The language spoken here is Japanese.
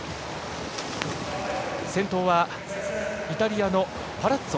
先頭はイタリアのパラッツォ。